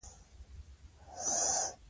ایا تاسو د خپلو لګښتونو لیست لرئ.